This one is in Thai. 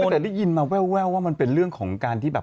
แต่ได้ยินมาแววว่ามันเป็นเรื่องของการที่แบบ